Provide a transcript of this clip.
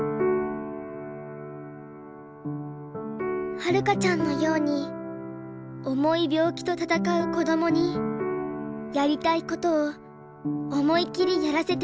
はるかちゃんのように重い病気と闘う子どもにやりたいことを思い切りやらせてあげたい。